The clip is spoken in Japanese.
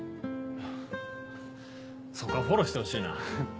ハハそこはフォローしてほしいな。